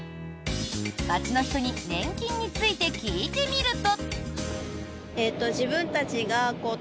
街の人に年金について聞いてみると。